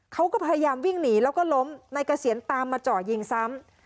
เขาก็พยายามวิ่งหนีแล้วก็ล้มนายเกษียณตามมาเจาะยิงซ้ำ